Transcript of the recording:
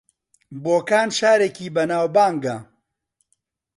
بۆکان شارێکی بەناوبانگە